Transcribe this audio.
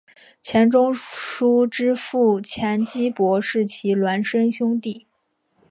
钱钟书之父钱基博是其孪生兄弟。